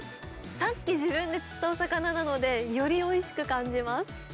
さっき自分で釣ったお魚なので、よりおいしく感じます。